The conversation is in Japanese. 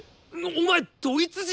お前ドイツ人！？